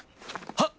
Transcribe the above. はっ！